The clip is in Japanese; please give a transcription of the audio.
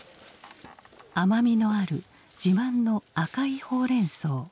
甘みのある自慢の赤いほうれんそう。